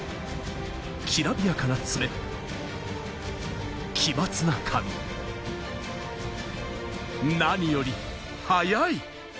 きらびやかな爪、奇抜な髪、何より速い。